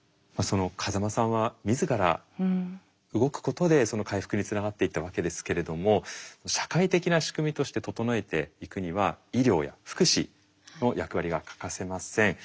風間さんは自ら動くことで回復につながっていったわけですけれども社会的な仕組みとして整えていくには医療や福祉の役割が欠かせません。